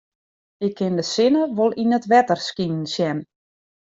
Ik kin de sinne wol yn it wetter skinen sjen.